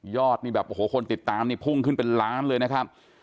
นี่แบบโอ้โหคนติดตามนี่พุ่งขึ้นเป็นล้านเลยนะครับ